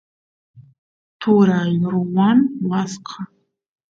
turay ruwan waska